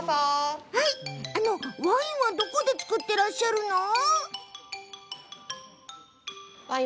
ワインはどこで造ってらっしゃるの？